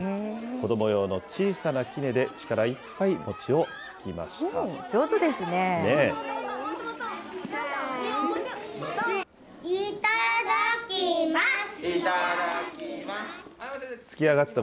子ども用の小さなきねで、力いっぱい餅をつきました。